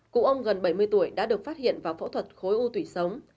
cụ ông gần bảy mươi tuổi đã được phát hiện vào phẫu thuật khối u thủy sống